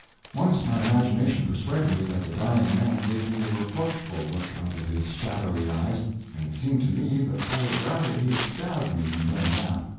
Once my imagination persuaded me that the dying man gave me a reproachful look out of his shadowy eyes, and it seemed to me that I would rather he had stabbed me than done that.